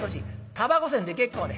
たばこ銭で結構で。